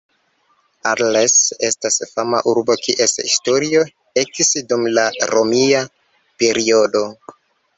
Arles estas fama urbo, kies historio ekis dum la Romia periodo.